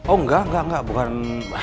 oh enggak enggak bukan